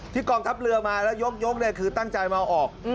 กองทัพเรือมาแล้วยกคือตั้งใจมาเอาออก